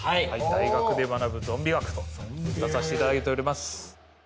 「大学で学ぶゾンビ学」と出さしていただいております。